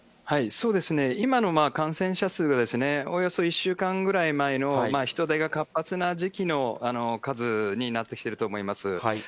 今の感染者数はおよそ１週間ぐらい前の人出が活発な時期の数になってきていると思います。